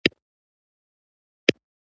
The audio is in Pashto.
ده ویل د خلقیانو پښه ښویېدلې ده.